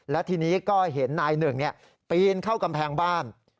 และทีนี้ก็เห็นนายหนึ่งปีนเข้ากำแพงบ้าน